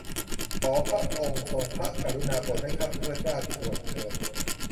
ขอพระองค์ทรงพระกรุณาโปรดให้ข้าพระพุทธเจ้าบวชเถิด